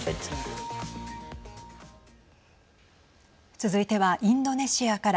続いてはインドネシアから。